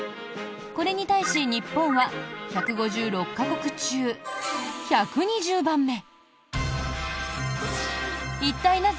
これに対し、日本は１５６か国中１２０番目。